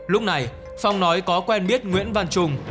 lúc này phong nói có quen biết nguyễn văn trung